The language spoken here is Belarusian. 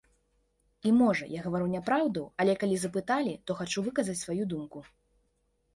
І, можа, я гавару няпраўду, але калі запыталі, то хачу выказаць сваю думку.